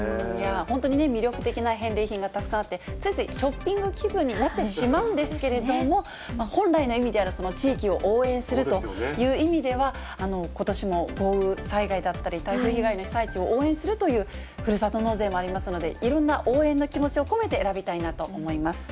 本当に魅力的な返礼品がたくさんあって、ついついショッピング気分になってしまうんですけれども、本来の意味である、地域を応援するという意味では、ことしも豪雨災害だったり、台風被害の被災地を応援するというふるさと納税もありますので、いろんな応援の気持ちを込めて選びたいなと思います。